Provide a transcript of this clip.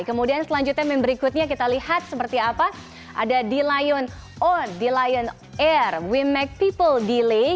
kemudian selanjutnya meme berikutnya kita lihat seperti apa ada di lion on di lion air we make people delay